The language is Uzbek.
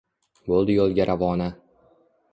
Bo‘ldi yo‘lga ravona.